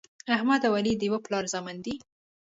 احمد او علي د یوه پلار زامن دي.